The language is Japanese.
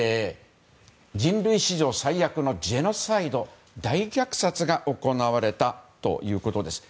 人類史上最悪のジェノサイド大虐殺が行われたということです。